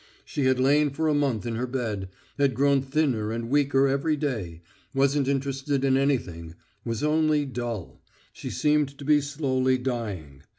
She had lain for a month in her bed, had grown thinner and weaker every day, wasn't interested in anything, was only dull she seemed to be slowly dying.